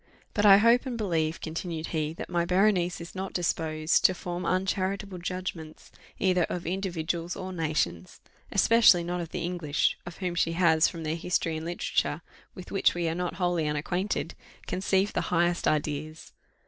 "But I hope and believe," continued he, "that my Berenice is not disposed to form uncharitable judgments either of individuals or nations; especially not of the English, of whom she has, from their history and literature, with which we are not wholly unacquainted, conceived the highest ideas."